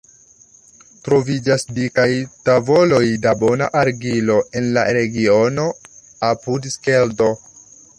Troviĝas dikaj tavoloj da bona argilo en la regiono apud Skeldo.